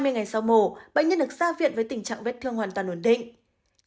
hai mươi ngày sau mổ bệnh nhân được ra viện với tình trạng vết thương hoàn toàn ổn định